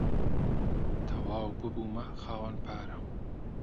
تەواو ببوومە خاوەن پارە.